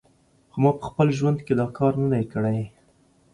خو ما په خپل ټول ژوند کې دا کار نه دی کړی